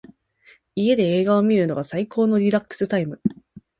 家で映画を観るのが最高のリラックスタイム。